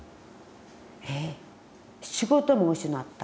え仕事も失った。